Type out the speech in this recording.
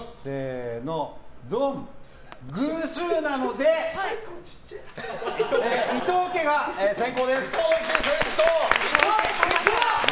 偶数なので、伊藤家が先攻です。